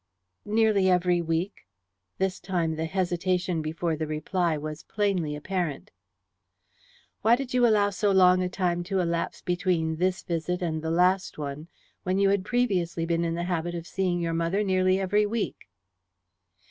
"Nearly every week." This time the hesitation before the reply was plainly apparent. "Why did you allow so long a time to elapse between this visit and the last one when you had previously been in the habit of seeing your mother nearly every week?"